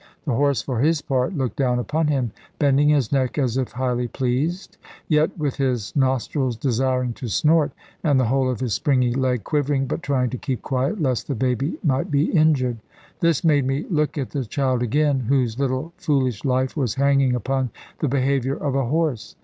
The horse, for his part, looked down upon him, bending his neck, as if highly pleased; yet with his nostrils desiring to snort, and the whole of his springy leg quivering, but trying to keep quiet, lest the baby might be injured. This made me look at the child again, whose little foolish life was hanging upon the behaviour of a horse.